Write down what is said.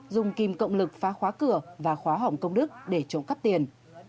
dùng kim cộng lực phá khóa cửa và khóa hỏng công đức để trộm cắp tiền